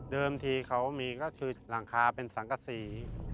ที่เขามีก็คือหลังคาเป็นสังกษี